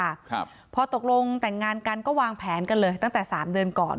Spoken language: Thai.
ครับพอตกลงแต่งงานกันก็วางแผนกันเลยตั้งแต่สามเดือนก่อน